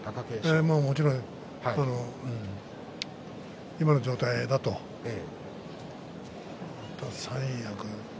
もちろん今の状態だとあとは三役。